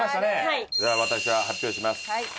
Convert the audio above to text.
じゃあ私が発表します。